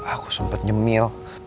aku sempet nyemil